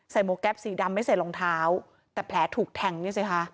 หมวกแก๊ปสีดำไม่ใส่รองเท้าแต่แผลถูกแทงนี่สิคะ